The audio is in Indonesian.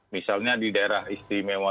misalnya di daerah istimewa